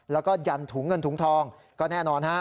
แล้วก็ยันถุงเงินถุงทองก็แน่นอนฮะ